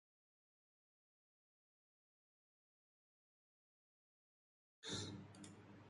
They look like spiky hold notes and usually come in pairs.